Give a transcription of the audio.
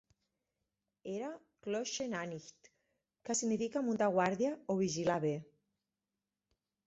Era "Kloshe Nanitch", que significa "muntar guàrdia" o "vigilar bé".